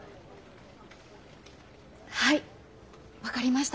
はい分かりました。